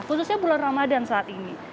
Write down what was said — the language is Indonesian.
khususnya bulan ramadan saat ini